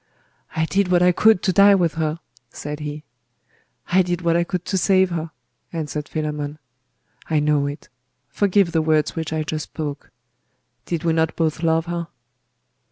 'I did what I could to die with her!' said he. 'I did what I could to save her!' answered Philammon. 'I know it. Forgive the words which I just spoke. Did we not both love her?